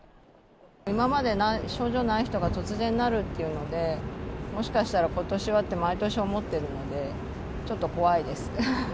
今まで症状ない人が突然なるっていうので、もしかしたらことしはって、毎年思ってるので、ちょっと怖いです。